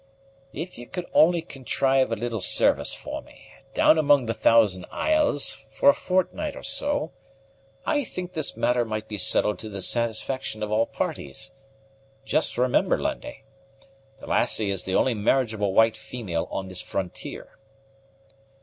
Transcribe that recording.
"If ye could only contrive a little service for me, down among the Thousand Isles, for a fortnight or so, I think this matter might be settled to the satisfaction of all parties. Just remember, Lundie, the lassie is the only marriageable white female on this frontier."